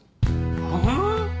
はあ？